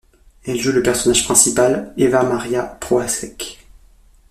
Elle joue le personnage principal, Eva Maria Prohacek.